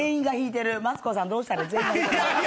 マツコさんどうしたらいい？